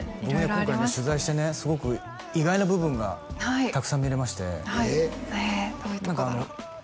今回ね取材してねすごく意外な部分がたくさん見れましてどういうとこだろう？